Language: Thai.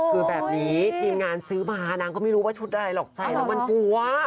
คือแบบนี้ทีมงานซื้อมานางก็ไม่รู้ว่าชุดอะไรหรอกใส่แล้วมันกลัว